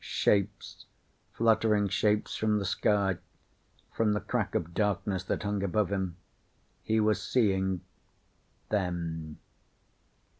Shapes. Fluttering shapes from the sky. From the crack of darkness that hung above him. He was seeing them.